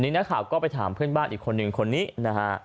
อ่าทีนี้นะครับก็ไปถามเพื่อนบ้านอีกคนนึงคนนี้นะฮะ